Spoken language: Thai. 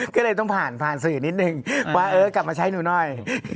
ก็เลยต้องผ่านผ่านสื่อนิดนึงว่าเออกลับมาใช้หนูหน่อย